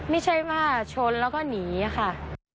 ไม่ใช่ว่าชนแล้วก็หนีค่ะ